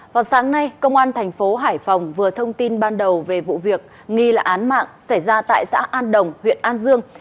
vào sáng nay công an thành phố hải phòng vừa thông tin ban đầu về vụ việc nghi là án mạng xảy ra tại xã an đồng huyện an dương